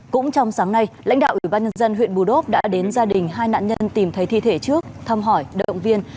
cũng trong sáng nay lãnh đạo ủy ban nhân dân huyện bù đốp đã đến gia đình hai nạn nhân tìm thấy thi thể trước thăm hỏi động viên